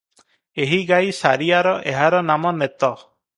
ଏହିଗାଈ ସାରିଆର ଏହାର ନାମ ନେତ ।